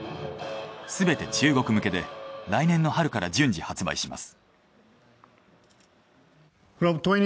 すべて中国向けで来年の春から順次発売します。